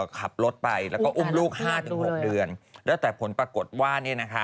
ขับรถไปแล้วก็อุ้มลูก๕๖เดือนแล้วแต่ผลปรากฏว่า